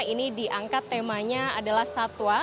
ini diangkat temanya adalah satwa